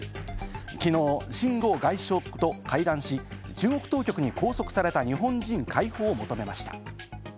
昨日、シン・ゴウ外相と会談し、中国当局に拘束された日本人解放を求めました。